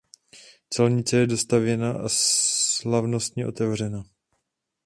Celnice je dostavěna a slavnostně otevřena.